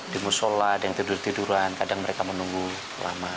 di musyola di tidur tiduran kadang mereka menunggu lama